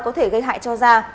có thể gây hại cho da